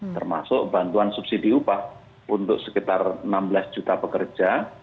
termasuk bantuan subsidi upah untuk sekitar enam belas juta pekerja